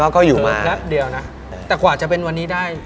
ก็อยู่มาแป๊บเดียวนะแต่กว่าจะเป็นวันนี้ได้